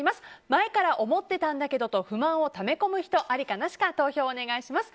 前から思ってたんだけどと不満をため込む人ありかなしか投票をお願いします。